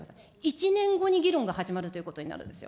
１年後に議論が始まるということになるんです。